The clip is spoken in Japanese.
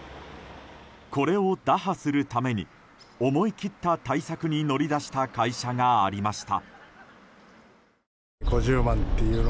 これを打破するために思い切った対策に乗り出した会社がありました。